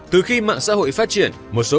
từ khi mạng xã hội phát triển một số